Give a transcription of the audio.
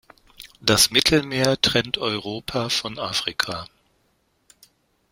Das Mittelmeer trennt Europa von Afrika.